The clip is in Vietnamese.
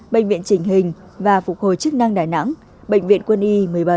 bệnh viện trình hình và phục hồi chức năng đà nẵng bệnh viện quân y một mươi bảy